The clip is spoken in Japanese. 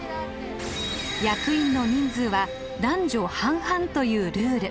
役員の人数は男女半々というルール。